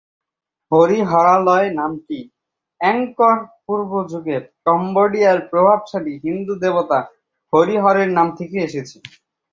হরিহরালয় নামটি এঙ্কর-পূর্ব যুগের কম্বোডিয়ার প্রভাবশালী হিন্দু দেবতা হরিহর এর নাম থেকে এসেছে।